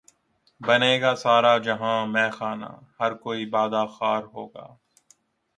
بنے گا سارا جہان مے خانہ ہر کوئی بادہ خوار ہوگا